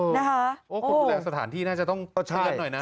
คนที่แรงสถานที่น่าจะต้องเลี่ยนหน่อยนะคะ